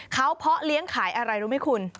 เขาเพาะเลี้ยงขายอะไรรู้ไหมคุณ